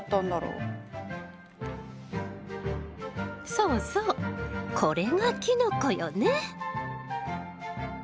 そうそうこれがキノコよね。